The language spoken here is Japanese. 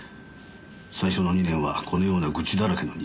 最初の２年はこのような愚痴だらけの日記です。